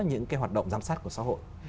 những hoạt động giám sát của xã hội